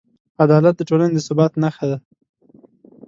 عدالت د ټولنې د ثبات نښه ده.